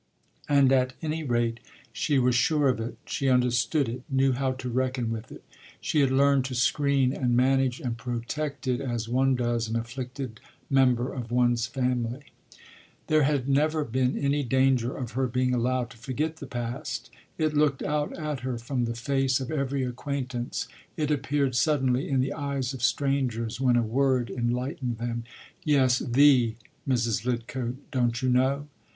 And, at any rate, she was sure of it, she understood it, knew how to reckon with it; she had learned to screen and manage and protect it as one does an afflicted member of one’s family. There had never been any danger of her being allowed to forget the past. It looked out at her from the face of every acquaintance, it appeared suddenly in the eyes of strangers when a word enlightened them: “Yes, the Mrs. Lidcote, don’t you know?